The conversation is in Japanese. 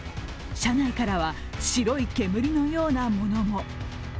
車内からは白い煙のようなものも。